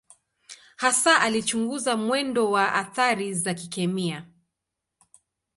Hasa alichunguza mwendo wa athari za kikemia.